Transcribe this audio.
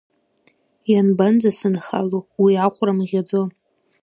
Ианбанӡа сынхало, уи ахәра мӷьаӡо?